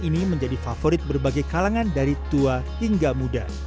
ini menjadi favorit berbagai kalangan dari tua hingga muda